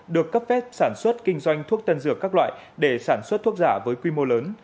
được cấp phép sản xuất kinh doanh thuốc tân dược các loại để sản xuất thuốc giả với quy mô lớn